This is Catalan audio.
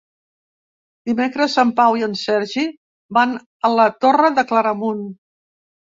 Dimecres en Pau i en Sergi van a la Torre de Claramunt.